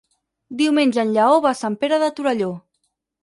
Diumenge en Lleó va a Sant Pere de Torelló.